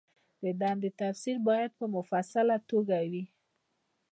د دندې تفصیل باید په مفصله توګه وي.